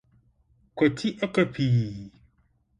Kwati Ɛka Pii